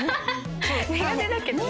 苦手だけどね。